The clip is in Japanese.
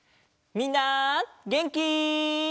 みんなげんき？